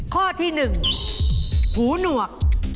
ข้อที่๑หูหนวก